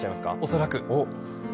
恐らく。